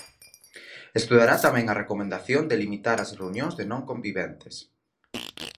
Estudará tamén a recomendación de limitar as reunións de non conviventes.